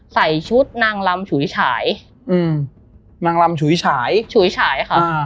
ใส่ชุดนางลำฉูยฉาย